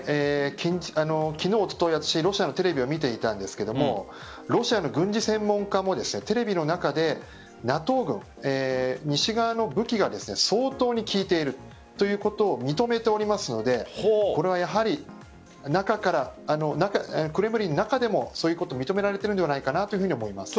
昨日、おとといロシアのテレビを見ていたんですがロシアの軍事専門家もテレビの中でＮＡＴＯ軍、西側の武器が相当に効いているということを認めておりますのでこれはやはりクレムリンの中でもそういうことを認められているんじゃないかと思います。